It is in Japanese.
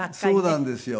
そうなんですよ。